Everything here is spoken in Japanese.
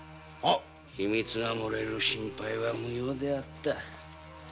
秘密が漏れる心配は無用であった。